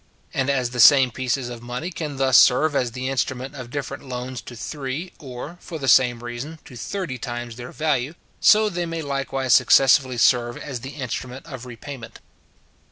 And as the same pieces of money can thus serve as the instrument of different loans to three, or, for the same reason, to thirty times their value, so they may likewise successively serve as the instrument of repayment.